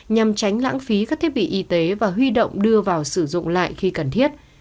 nhằm tránh lãng phí các thiết bị y tế và huy động đưa vào sử dụng lại khi cần thiết